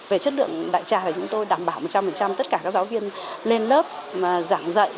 về chất lượng đại trà thì chúng tôi đảm bảo một trăm linh tất cả các giáo viên lên lớp giảng dạy